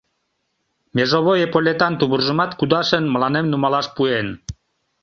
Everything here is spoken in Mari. Межовой эполетан тувыржымат кудашын, мыланем нумалаш пуэн.